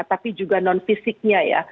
tapi juga non fisiknya ya